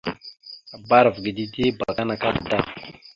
« Bba arav ge dide ya abakana akada! ».